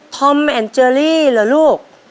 ธอมแอนเจอรี่เหรอลูก